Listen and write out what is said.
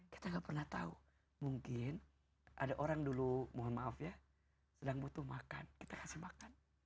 kita gak pernah tahu mungkin ada orang dulu mohon maaf ya sedang butuh makan kita kasih makan